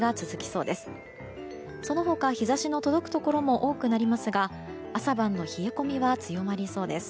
その他、日差しの届くところも多くなりますが朝晩の冷え込みは強まりそうです。